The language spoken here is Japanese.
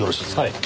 はい。